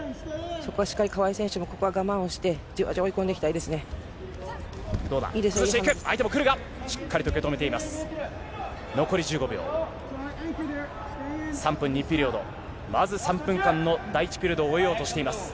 そこはしっかり川井選手も、ここは我慢をして、じわじわ追い込んでいきたいですね。